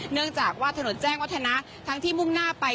เนื่องจากว่าถนนแจ้งวัฒนะทั้งที่มุ่งหน้าไป